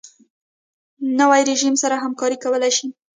نوی رژیم سره همکاري کولای شي.